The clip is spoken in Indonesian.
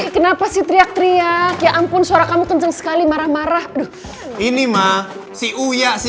kenapa sih teriak teriak ya ampun suara kamu kenceng sekali marah marah ini mah si uya si